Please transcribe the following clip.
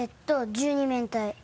１２面体。